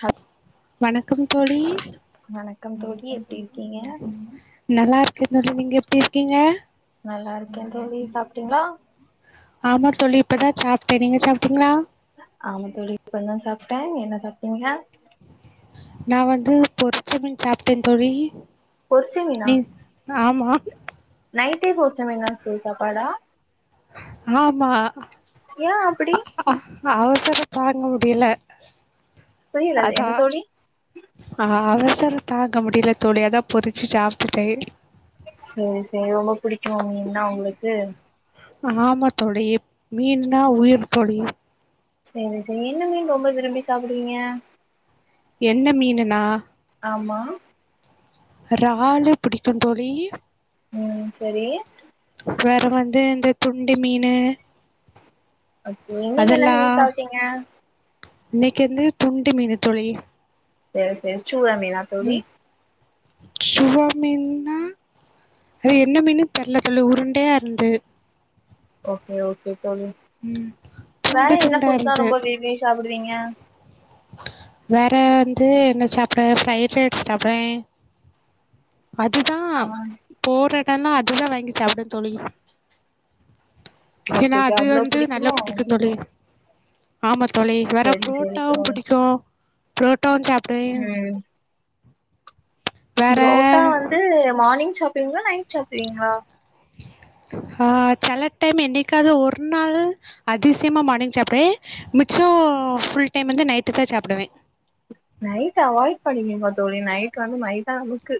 ஹ வணக்கம் தோழி தோழி எப்டி இருக்கீங்க நல்லா இருக்க [unintelligible] நீங்க எப்டி இருக்கீங்க நல்லா இருக்கே தோழி சாப்டிங்களா ஆமா தோழி இப்பதா சாப்ட்டே நீங்க சாப்ட்டீங்களா ஆமா தோழி இப்பந்தா சாப்ட்ட நீங்க சாப்ட்டீங்களா நா வந்து பொறிச்ச மீன் சாப்ட்ட தோழி பொறிச்ச மீனா நீ ஆமா நைட்டே பொறிச்ச மீனா சாப்பாடா ஆமா ஏ அப்டி அவசரம் தாங்க முடியல புரியல என்ன அதான் தோழி ஆ அவசரம் தாங்க முடியல தோழி அதான் பொறிச்சி சாப்ட்டுட்டேன் சேரி சேரி ரொம்ப புடிக்குமா மீன்னா உங்களுக்கு ஆமா தோழி மீன்னா உயிர் தோழி சேரி சேரி என்ன மீன் ரொம்ப விரும்பி சாப்புடுவீங்க என்ன மீனுனா ஆமா இறாலு பிடிக்கும் தோழி ம் சேரி வேற வந்து இந்த துண்டு மீனு ஓகே இன்னைக்கு என்ன அதெல்லா மீன் சாப்டீங்க இன்னைக்கு வந்து துண்டு மீனு தோழி எனக்கு தெரிஞ்சி சுறா மீனா தோழி ம் சுறா மீன்னா அது என்ன மீனுன் தெர்ல தோழி உருண்டையா இருந்து ஓகே ஓகே தோழி ம் வேற துண்டு என்ன துண்டாக புதுசா இருந்து ரொம்ப விரும்பி சாப்டுவீங்க வேற வந்து என்ன சாப்டுவே ஃப்ரைட் [unintelligible] சாப்டுவே அதுதா ஆ போறடெல்லா அதுதா வாங்கி சாப்டுவே தோழி ஓகே ஏனா ஓகே அது அவ்ளோ வந்து நல்லா புடிக்குமோ புடிக்கு தோழி ஆமா தோழி வேற சரி சரி ப்ரோட்டாவு ப்ரோ புடிக்கு ப்ரோட்டாவு சாப்டுவே ம் புரோட்டா வேறு வந்து மார்னிங் சாப்டுவிங்களா நைட் சாப்டுவிங்களா ஹ ஆ செல டைம் என்னைக்காவது ஒரு நாள் அதிசயமா மார்னிங் சேப்பே மிச்சோ ஃபுல் டைம் வந்து நைட்டு தான் சாப்புடுவேன் நைட் அவாய்ட் பண்ணிக்கீங்க தோழி நைட் வந்து மைதாவுக்கு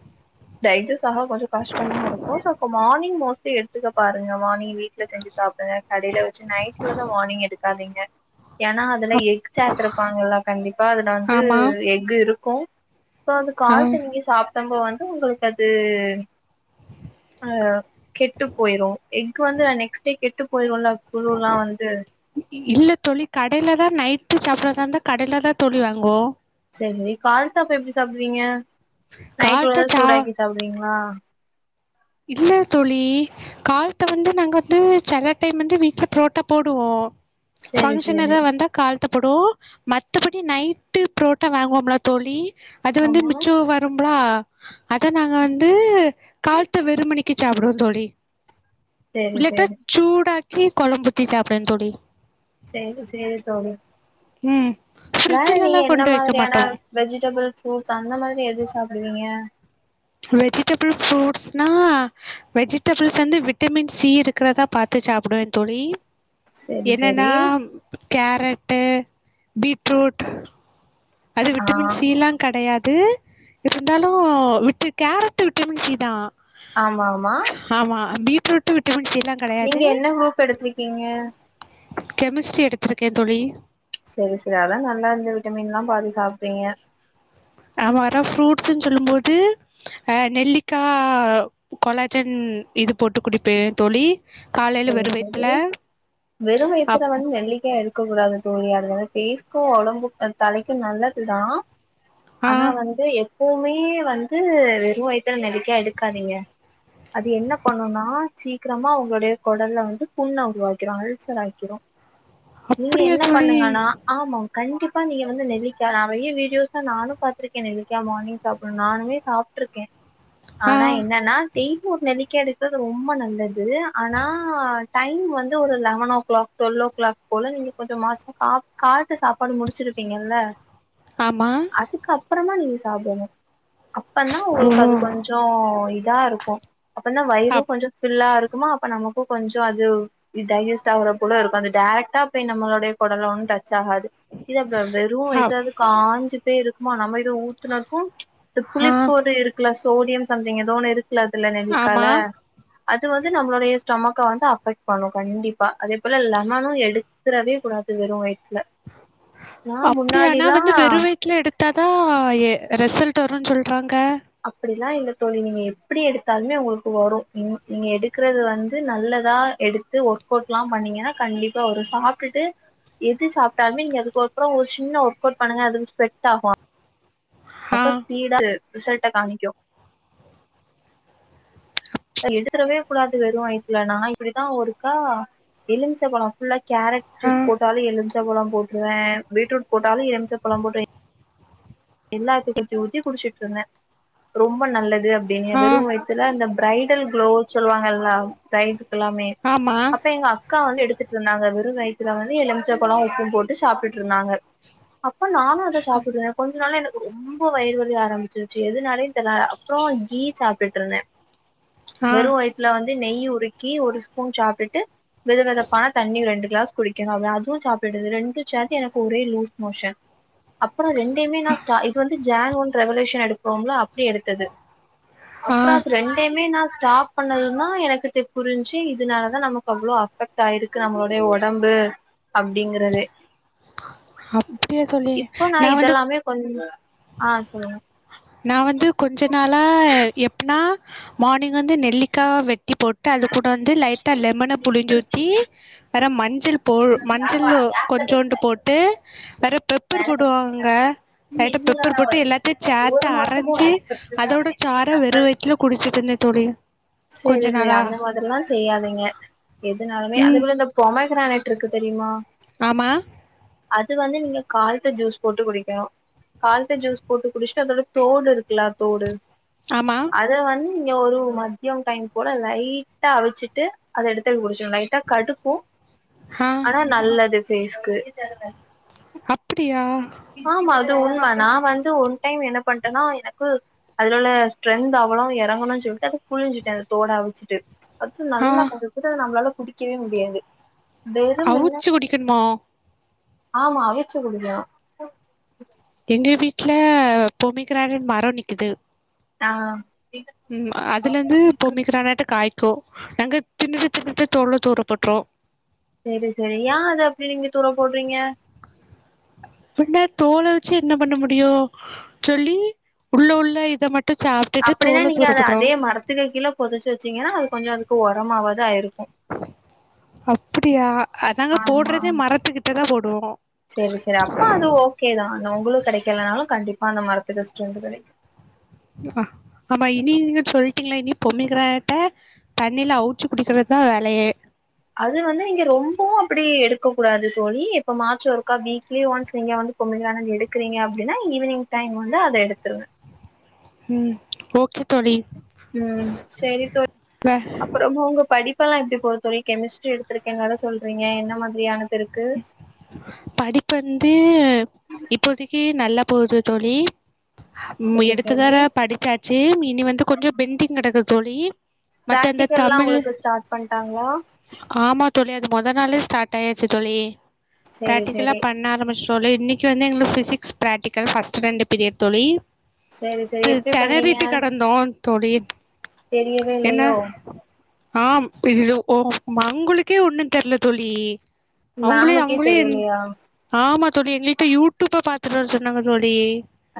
டைஜெஸ்ட் ஆக கொஞ்சம் கஷ்டமா இருக்கும் அப்போ மார்னிங் மோஸ்ட் ட்டு எடுத்துக்க பாருங்க மார்னிங் வீட்ல செஞ்சு சாப்புடுங்க கடையில வச்சு நைட்லதான் மார்னிங் எடுக்காதீங்க ஏன்னா அதுல அப் எஃகு சேத்துருப்பாங்கல்லா கண்டிப்பா அதுல வந்து ஆமா. எக்கு இருக்கு சோ அந்த ஆ. காலத்த நீங்க சாப்ட்டம்போ வந்து உங்களுக்கு அது ஆ கெட்டு போயிரு எக்கு வந்து நா நெக்ஸ்ட் டே கெட்டு பொயிருவோம்ல குளுர்லா வந்து இல்ல தோழி கடையிலதா நைட்டு சாப்றதாந்தா கடையிலதா தோழி வாங்குவோ சரி சரி கால்ல சாப்பா எப்டி சாப்பிடுவீங்க நைட் உள்ளத காலத்த சா சூடாக்கி சாப்டுவீங்களா இல்ல தோழி காலத்த வந்து நாங்க வந்து செல டைம் வந்து வீட்டுல ப்ரோட்டா போடுவோ சேரி ஃபங்க்ஷன் சேரி எதா வந்தா காலத்த போடுவோ மத்தபடி நைட்டு ப்ரோட்டா வாங்குவோம்ள தோழி அது வந்து ஆமா மிச்சோ வரும்ளா அத நாங்க வந்து கால த்த வெறுமணிக்கு சாப்டவோ தோழி சேரி இல்லாட்டா சேரி சூடாக் கி கொழம்பு ஊத்தி சாப்டுவே தோழி சேரி சேரி தோழி ம் வேற ஃப்ரிட்ஜ்லலா நீங்க என்ன கொண்டு வைக்க மாதிரியான மாட்டோ வெஜிடபிள் ஃப்ரூட்ஸ் அந்த மாதிரி எது சாப்டுவிங்க வெஜிடபுள் ஃப்ரூட்ஸ்னா வெஜிடபிள்ஸ் வந்து விட்டமின் சி இருக்கிறதா பாத்து சாப்டுவே தோழி சேரி என்னன்னா சேரி கேரட்டு் பீட்ரூட் அது ஆ விட்டமின் சீலா கெடையாது இருந்தாலூ விட்டு கேரட்டு விட்டமின் சீ தா ஆமாமா ஹாமா பீட்ரூட்டு விட்டமின் சீலா நீங்க என்ன க்ரூப் எடுத்விக்கீங்க கெமிஸ்ட்ரி எடுத்துருக்கே தோழி சேரி சேரி அதா நல்லா இந்த விட்டமின்லா பாத்து சாப்றீங்க ஆமா அறா ஃப்ரூட்ஸுன் சொல்லும் போது ஆ நெல்லிக்கா கொலாஜன் இது போட்டு குடிப்பே தோழி காலையில சேர் வெறு வயித்துல சேரி வெறு அப் வயித்துல வந்து நெல்லிக்கா எடு க்க கூடாது தோழி அது வந்து ஃபேஸ்கு ஒடம்பு ஆ தலைக்கு நல்லதுதா ஆ ஆனா வந்து எப்பொவுமே வந்து வெறு வயுத்துல நெல்லிக்கா எடுக்காதீங்க அது என்ன பண்ணுனா சீக்ரமா உங்க்ளோடய கொடல்ல வந்து புண்ண உருவாக்கிரு அல்சராக்கிரு நீங்க அப்படியா என்ன தோழி பண்ணுங்கனா ஆமா கண்டிப்பா நீங்க வந்து நெல்லிக்கா நெறய வீடியோஸ்ல நானு பாத்ருக்கே நெல்லிக்கா மான்னிங் சாப்டனு நானுமே சாப்ட்ருக்கே ஆ ஆனா என்னனா டெய்லி ஒரு நெல்லிக்கா எடுக்கற்து ரொம்ப நல்லது ஆ னா டைம் வந்து ஒரு eleven o'clock twelve o'clock போல நீங்க கொஞ்ச மாசோ கா காலத்து சாப்பாடு முடுச்சிருப்பீங்கல்ல ஆமா அதுக்கப்பறமா நீங்க சாப்டுங்க அப்பன்னா ஓ உங்ளுக்கு அது கொஞ்சோ இதா இருக்கு அப்பனா வயிறு அப் கொஞ்சோ ஃபில்லா இருக்குமா நமக்கு கொஞ்சோ அது இ டைஜிஸ்ட் ஆவற போல இருக்கு அது டேரெக்டா போய் நம்ளோடய கொடல ஒன் டச் ஆகாது இது அப்றோ வெரு அப் எதாது காஞ்சு போய் இருக்மா நம்ம எது ஊ த்துனப்போ இந்த ஆ புளிப்போடு இருக்குல சோடியம் சம்திங் எதோ ஒன்னு இருக்குல அதுல நெல்லிகால ஆமா அது வந்து நம்மளோடைய ஸ்டொமக்க வந்து அஃபெக்ட் பண்ணு கண்டிப்பா அதே போல லெமனு எடுத்ரவே கூடாது வெறு வயித்துல நா அப்டியா நா முன்னாடிலா வந்து வெறு வயி ட்ல எடுத்தாதா எ ரெசல்ட்டு வருன் சொல்றாங்க அப்படிலா இல்ல தோழி நீங்க எப்டி எடுத்தாலுமே உங்ளுக்கு வரூ நீங் நீங்க எடுக்றது வந்து நல்லதா எடுத்து ஒர்க் கௌட்லா பண்ணீங்கனா கண்டிப்பா வரு சாப்டுட்டு எது சாப்டாலுமே நீங்க அதுகப்றோ ஒரு சின்ன ஒர்க் கௌட் பண்ணுங்க அது ஸ்ப்ரெட் ஆகு ஆ அப்ப ஸ்பீடா து ரிசல்ட்ட காமிக்கு எடுத்தறவே கூடாது வெறு வய்த்ல நா இப்படிதா ஒருக்கா எலும்ச்ச பழோ ஃபுல்லா கேரட் ஆ ஜூஸ் போட்டாலு எலும்ச்ச பழம் போட்றுவே பீட்ரூட் போட்டாலு எல்ம்ச்ச பழம் போட்டு எல்லாத்து [inaudible] ஊத்தி ஊத்தி குடிச்சுட்ருந்தே ரொம்ப நல்லது அப்டின்னே ஆ வெறு வயித்துல அந்த ப்ரைடல் க்ளோ சொல்வாங்கல்ல ப்ரைட்டுக்கெல்லாமே ஆமா அப்ப எங்க அக்கா வந்து எடுத்துட்ருந்தாங்க வெறு வயித்துல வந்து எலும்ச்ச பழோ உப்பு போட்டு சாப்ட்டுட்ருந்தாங்க அப்ப நானு அத சாப்புடுவ அதனால எனக்கு ரொம்போ வயிறு வலி ஆரம்பிச்சிர்ச்சு எதுனாலைன் தெர்ல அப்றோ கீ சாப்டுட்ருந்த ஆ வெறு வய்த்ல வந்து நெய் உருக்கி ஒரு ஸ்பூன் சாப்டுட்டு வெது வெதப்பான தண்ணி ரெண்டு க்ளாஸ் குடிக்கணு அ அது சாப்ட்டுட்ருந்த ரெண்டு சேத்தி எனக்கு ஒரே லூஸ் மோஷன் அப்றோ ரெண்டயுமே நா ஸ்டா இது வந்து ஜான் ஒன் ரெவல்யூஷன் எடுப்போம்ல அப்டி எடுத்தது ஆ அப்றோ அது ரெண்டயுமே நா ஸ்டாப் பண்ணதுந்தா எனக்கு தெ புரிஞ்சு இதுனால தா நமக்கு அவ்ளோ அஃபெக்ட் டாயிருக்கு நம்மளோடய ஒடம்பு அப்டீங்கறதே அப்படியா தோழி இப்போ நா நான் வந்து இதெல்லாமே கொஞ் ஆ சொல்லுங்க நா வந்து கொஞ்ச நாளா எப்பனா மார்னிங் வந்து நெல்லிக்கா வெ ட்டி போட்டு அது கூட வந்து லைட்டா லெமன புழிஞ்சு ஊத்தி வேற மஞ்சள் போ மஞ்சள் ஓ கொஞ்சோண்டு போட்டு வெற பெப்பர் போடுவாங்க லைட்டா பெப்பர் போட்டு எல்லாத்தையு ஒரு சேட்டா மாசமு அரச்சு வேல பாத்துதா அதோட சார வெறு வய்த்துல குடிச்சிட் இருந்த தோ ழி சேரி சேரி அந்த மாதிரில்லா செய்யாதீங்க எதுனாலுமே அத ம் போல இந்த பொமைகிரானேட்டு இருக்கு தெரியுமா ஆமா அது வந்து நீங்க கால்த்த ஜூஸ் போட்டு குடிக்கணு கால்த்த ஜூஸ் போட்டு குடிஸ்ட்டு அதோட தோடு இருக்குல தோடு ஆமா அத வந் ங்க ஒரு மதியம் டைம் கூட லைட்டா அவிச்சிட்டு அத எடுத்து குடிச்சுர்ன் லை ட்டா கடுக்கு ஆ ஆனா நல்லது பேஸ்கு அப்படியா ஆமா அது உண்ம நா வந்து ஒன் டைம் என்ன பண்டேனா எனக்கு அதுல உள்ள ஸ்ட்ரன்த் அவ்வளோ எறங்கணுன் சொல்ட்டு அத புழ்ஞ்சுட்ட அந்த தோடா அவுச்சிட்டு அது ஆ நல்லா கசக்குது அத நம்மளால குடிக்கவே முடியாது வெறும் வென்ன அவுச்சு குடிக்கணுமோ ஆமா அவிச்சி குடிக்கனும் எங்க வீட்ல பொமிகிரானட் மரம் நிக்கிது ஆ ம் அதுலருந்து பொமிகிரானட்டு காய்க்கும் நாங்க தின்னுட்டு தின்னுட்டு தோல தூர போட்டுருவோ செரி செரி ஏ அது அப்டி நீங்க தூர போடுறீங்க பின்ன தோல வச்சி என்ன பண்ண முடியும் சொல்லி உள்ள உள்ள இத மட்டும் சாப் அப்டின்னா நீங்க அத அதே மரத்துக்கு கீழ பொதச்சி வச்சீங்கன்னா அது கொஞ்சம் அதுக்கு ஒரமாவது ஆயிருக்கும் அப்டியா அதாங்க ஆமா போடறதே மரத்துக்கிட்டதா போடுவோ செரி செரி அப்ப அது ஓகே தா ஆனா ஒங்களுக் கெடைக்கலனாலும் கண்டிப்பா அந்த மரத்துக்கு ஸ்டென்த் கெடைக்கும் ஆமா இனி நீங்க சொல்ட்டீங்க இல்ல இனி பொமிக்கிரானட்ட தண்ணியில அவுச்சி குடிக்கிறதான் வேலையே அது வந்து நீங்க ரொம்பவும் அப்டி எடுக்க கூடாது தோழி இப்ப மார்ச் ஒருக்கா வீக்லி ஒன்ஸ் நீங்க வந்து பொமிகிரானட் எடுக்கறீங்க அப்டின்னா ஈவினிங் டைம் வந்து அத எடுத்துருங்க ம் ஓகே தோழி ம் செரி தோ வே அப்பறமா உங்க படி ப்பெல்லாம் எப்டி போது தோழி கெமிஸ்ட்ரி எடுத்திருக்கேன் வேற சொல்றீங்க என்ன மாதிரியானது இருக்கு படிப்பு வந்து இப்போதிக்கு நல்லா போவுது தோழி செரி செரி எடுத்துதர படிச்சாச்சி இனி வந்து கொஞ்சோ பெண்டிங் கடக்குது தோழி மத்த இந்த பிராக்டிகல்லாம் தமிழ் உங்களுக்கு ஸ்டாட் பண்ட்டாங்களா ஆமா தோழி அது மொத நாளே ஸ்டாட் ஆயிருச்சி தோழி செரி பிராக்டிக்கலா செரி பண்ண ஆரம்பிச் தோழி இன்னிக்கி வந்து எங்களுக்கு பிசிக்ஸ் பிராக்டிக்கல் ஃபஸ்ட்டு ரண்டு பீரியட் தோழி செரி செரி து எப்டி பண்ணீங்க தெணறிட்டு கடந்தோம் தோழி தெரியவே என்ன இல்லையோ ஆம் இது ஓ மங்களுக்கே ஒன்னும் தெர்ல தோழி அவுங்களே மேமுக்கே அவுங்களே தெரியலையா ஆமா தோழி எங்கள்ட்ட யூடியூப்ப பாத்துட்டு வர சொன்னாங்க தோழி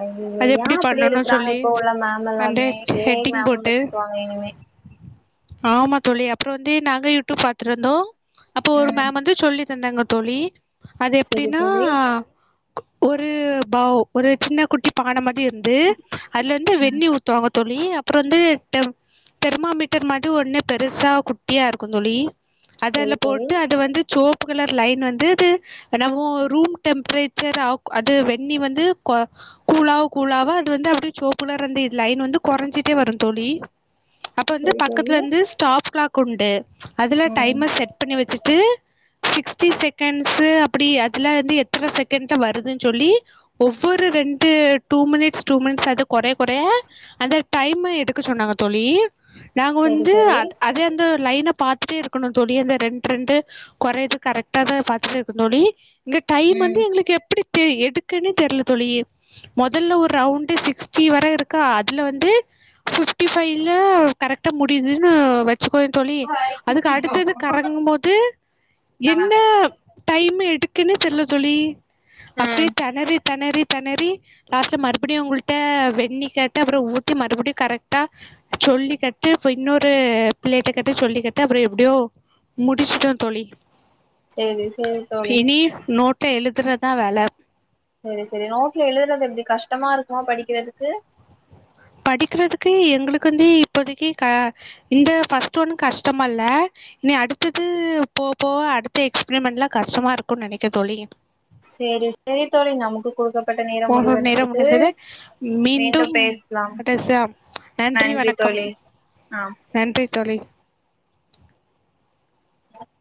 ஐய்யயோ அது ஏ எப்டி இப்டி பண்ணணு இருக்கறாங்க சொல்லி இப்போ உள்ள மேம் அந்த எல்லாருமே ஏ ஹெட்டிங் மேமுன் போட்டு வச்சிக்குவாங்களே இனிமே ஆமா தோழி அப்புறம் வந்து நாங்க யூடியூப் பாத்துட்டு வந்தோம் அப்போ ஒரு ம் மேம் வந்து சொல்லி செந்தாங்க தோழி அது செரி எப்டின்னா செரி ஒரு பவ் ஒரு சின்ன குட்டி பான மாதிரி இருந்து அதுல இருந்து வெந்நீ ஊத்துவாங்க தோழி அப்புறம் வந்து ட தெர்மா மீட்டர் மாதிரி ஒன்னு பெருசா குட்டியா இருக்கும் தோழி அத அதுல்ல செரி தோழி போட்டு அது வந்து சோப்பு கலர் லைன் வந்து அது நம்மோ ரூம் டெம்ப்ரேச்சர் ஆ அது வெண்ணி வந்து கொ கூளாவ கூளாவ அது வந்து அப்டே செவுப்புல இருந்த இது லைன் வந்து கொறஞ்சிட்டே வரும் தோழி அப்ப வந்து செரி தோழி பக்கத்துல வந்து ஸ்டாப் கிளாக் உண்டு அதுல ம் டைமர் செட் பண்ணி வச்சிட்டு சிக்ஸ்ட்டி செக்கண்ட்ஸு அப்டி அதுல வந்து எத்தன செக்கண்ட்டா வருதுன் சொல்லி ஒவ்வொரு ரெண்டு டூ மினிட்ஸ் டூ மினிட்ஸ் அது கொறய கொறய அந்த டைம எடுக்க சொன்னாங்க தோழி நாங்க செரி வந்து செரி அ அது அந்த லைன பாத்துட்டே இருக்கணும் தோழி அந்த ரெண் ரெண்டு கொறயது கரெட்டாதா பாத்துட்டே இருப்பன் தோழி இங்க டைம் ம் வந்து எங்களுக்கு எப்டி து எதுக்கின்னே தெர்ல தோழி மொதல்ல ஒரு ரவுண்டு சிக்ஸ்ட்டி வர இருக்கா அதுல வந்து ஃபிப்டி ஃபிபைல்ல கரெக்ட்டா முடியுதுன்னு வ ச்சிக்கோயே தோழி அதுக்கடுத்தது கரங்கும்போது என்ன டைம் எடுக்குன்னே தெர்ல தோழி அப்டியே ம் தெணறி தெணறி தெணறி லாஸ்ட்ல மறுபடியு உங்கள்ட வெண்ணி கேட்ட அப்றோ ஊத்தி மறுபடியு கரெக்ட்டா சொல்லி கெட்டு இப்ப இன்னொரு பிள்ளையட்ட கெட்டு சொல்லிக்கெட்டு அப்புறம் எப்டியோ முடிச்சுட்டன் தோழி செரி செரி தோழி இனி நோட்ல எழுதுறதா வேல சரி சரி நோட்ல எழுதுறது எப்டி கஷ்டமா இருக்குமா படிக்கறதுக்கு படிக்கிறதுக்கு எங்ளுக்கு வந்து இப்போதைக்கு க இந்த ஃபர்ஸ்ட் ஒன் கஷ்டமால்ல இனி அடுத்தது போ போக அடுத்த எக்ஸ்ப்ரிமண்ட்லா கஷ்டமா இருக்குன் நெனைக்கன் தோழி சேரி சேரி தோழி நமக்கு குடுக்க போதும் நேரம் முடிந்தது மீண்டும் [unintelligible] நன்றி வணக்கம் ஆ நன்றி தோழி [inaudible]